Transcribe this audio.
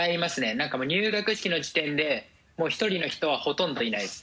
何かもう入学式の時点でもう１人の人はほとんどいないです。